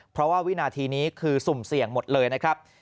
เพราะว่าวินาทีนี้คือสุ่มเสี่ยงหมดเลยนะครับ